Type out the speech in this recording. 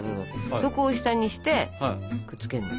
そこを下にしてくっつけるの。